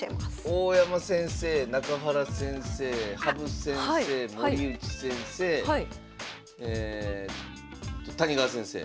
大山先生中原先生羽生先生森内先生谷川先生。